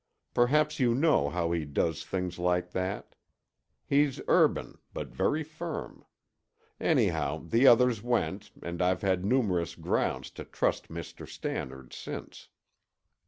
Perhaps you know how he does things like that? He's urban, but very firm. Anyhow, the others went and I've had numerous grounds to trust Mr. Stannard since."